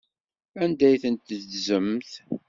Anda ay ten-teddzemt?